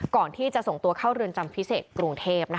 ก่อนที่จะส่งตัวเข้าเรือนจำพิเศษกรุงเทพ